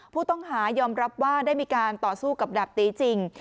ผู้ต้องหายอมรับว่าได้มีการต่อสู้กับดาบตีจริง